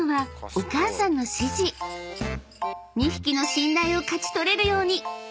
［２匹の信頼を勝ち取れるように］